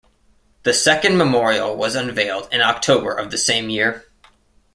The second memorial was unveiled in October of the same year.